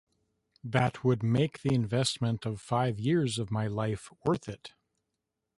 That would make the investment of five years of my life worth it.